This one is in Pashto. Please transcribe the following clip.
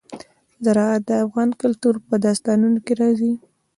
زراعت د افغان کلتور په داستانونو کې راځي.